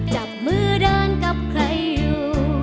จับมือเดินกับใครอยู่